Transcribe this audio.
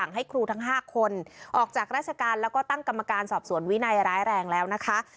ให้ครูทั้ง๕คนออกจากราชการแล้วก็ตั้งกรรมการสอบสวนวินัยร้ายแรงแล้วนะคะ